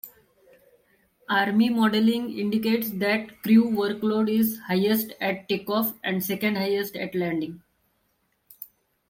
Army modelling indicates that crew workload is highest at takeoff, and second-highest at landing.